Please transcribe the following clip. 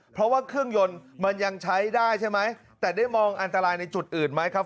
เพราะว่าเครื่องยนต์มันยังใช้ได้ใช่ไหมแต่ได้มองอันตรายในจุดอื่นไหมครับ